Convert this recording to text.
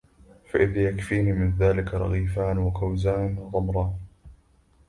فَإِذَا يَكْفِينِي مِنْ ذَلِكَ رَغِيفَانِ وَكُوزَانِ وَطِمْرَانِ